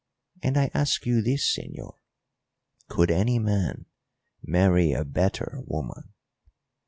And I ask you this, señor, could any man marry a better woman?"